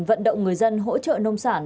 vận động người dân hỗ trợ nông sản